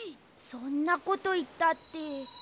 そんなこといったって。